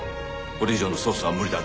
これ以上の捜査は無理だ。